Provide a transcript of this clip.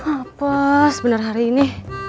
apa sebenarnya hari ini